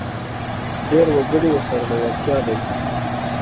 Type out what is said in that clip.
ډېر وګړي ورسره لېوالتیا لري.